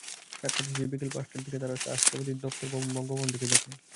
সাক্ষাৎ শেষে বিকেল পাঁচটার দিকে তাঁরা রাষ্ট্রপতির দপ্তর বঙ্গভবন থেকে বের হন।